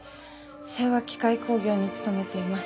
聖羽機械工業に勤めています。